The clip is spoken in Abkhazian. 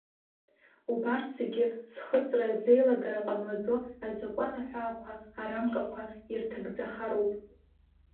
Убарҭ зегьы, зхыҵра, зеилагара ҟамлаӡо азакәан аҳәаақәа, арамкақәа ирҭагӡахароуп.